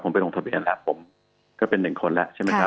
ผมเป็นหัวหน้าครอบครัวเนี่ยครับผมก็เป็น๑คนแล้วใช่ไหมครับ